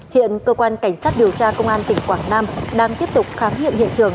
hiện cơ quan cảnh sát điều tra công an tỉnh quảng nam đang tiếp tục khám nghiệm hiện trường